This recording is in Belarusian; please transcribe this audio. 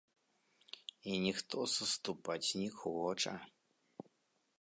І ніхто саступаць не хоча.